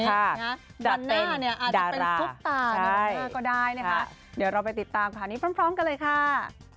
วันหน้าเนี่ยอาจจะเป็นซุปตาในดอกหน้าก็ได้นะคะเดี๋ยวเราไปติดตามข่าวนี้พร้อมกันเลยค่ะ